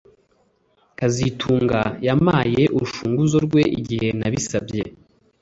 kazitunga yampaye urufunguzo rwe igihe nabisabye